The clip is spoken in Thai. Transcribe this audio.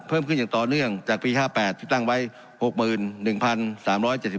เพิ่มขึ้นอย่างต่อเนื่องจากปีห้าแปดที่ตั้งไว้หกหมื่นหนึ่งพันสามร้อยเจ็ดสิบ